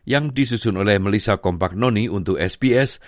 yang disusun oleh melissa kompagnoni untuk sbs